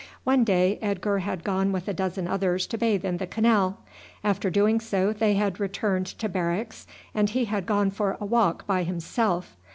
One day Edgar had gone with a dozen others to bathe in the canal. After doing so they had returned to barracks, and he had gone for a walk by himself.